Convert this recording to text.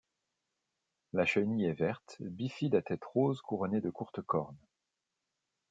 La chenille est verte, bifide à tête rose couronnée de courtes cornes.